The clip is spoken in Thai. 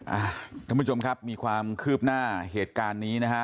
ท่านผู้ชมครับมีความคืบหน้าเหตุการณ์นี้นะฮะ